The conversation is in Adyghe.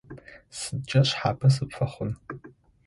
Сыдкӏэ шъхьапэ сыпфэхъун?